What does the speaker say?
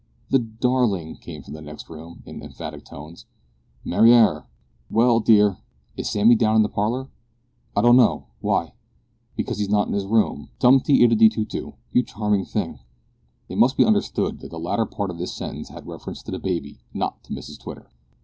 "The darling!" came from the next room, in emphatic tones. "Mariar!" "Well, dear." "Is Sammy down in the parlour?" "I don't know. Why?" "Because he's not in his room tumti iddidy too too you charming thing!" It must be understood that the latter part of this sentence had reference to the baby, not to Mrs Twitter.